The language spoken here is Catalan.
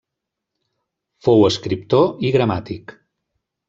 Fou escriptor i gramàtic.